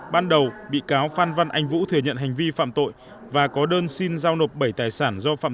ban đầu bị cáo phan văn anh vũ thừa nhận hành vi phạm tội và có đơn xin giao nộp bảy tài sản do phạm